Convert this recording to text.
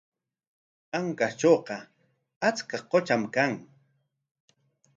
Ancashtrawqa achka qutram kan.